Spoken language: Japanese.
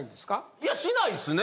いやしないですね。